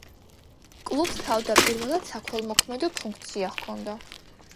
კლუბს თავდაპირველად საქველმოქმედო ფუნქცია ჰქონდა.